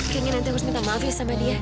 kayaknya nanti harus minta maaf ya sama dia